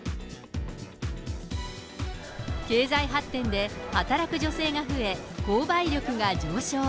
経済発展で働く女性が増え、購買力が上昇。